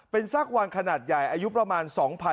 เป็นซากวางขนาดใหญ่อายุประมาณ๒๐๐